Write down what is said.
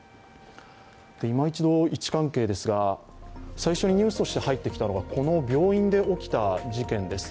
いま一度、位置関係ですが、最初にニュースとして入ってきたのがこの病院で起きた事件です。